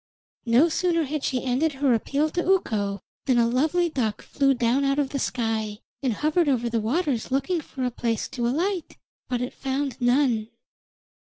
No sooner had she ended her appeal to Ukko than a lovely duck flew down out of the sky, and hovered over the waters looking for a place to alight; but it found none.